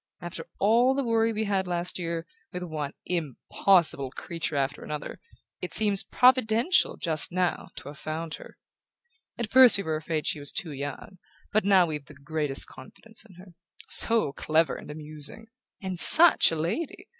After all the worry we had last year, with one impossible creature after another, it seems providential, just now, to have found her. At first we were afraid she was too young; but now we've the greatest confidence in her. So clever and amusing and SUCH a lady!